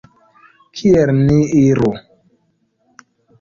Kiel ni iru?